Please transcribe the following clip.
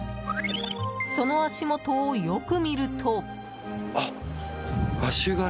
その足元をよく見ると。